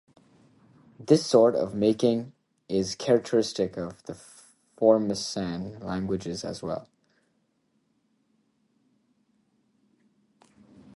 This sort of marking is characteristic of other Formosan languages as well.